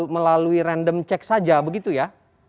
melalui random check saja begitu ya